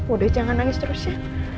udah jangan nangis terus ya